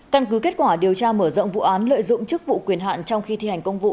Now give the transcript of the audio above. căn cứ kết quả điều tra mở rộng vụ án lợi dụng chức vụ quyền hạn trong khi thi hành công vụ